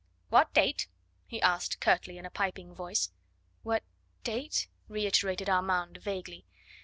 "What date?" he asked curtly in a piping voice. "What date?" reiterated Armand vaguely.